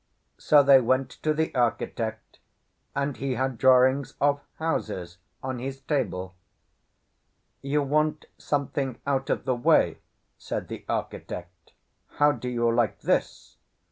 So they went to the architect, and he had drawings of houses on his table. "You want something out of the way," said the architect. "How do you like this?"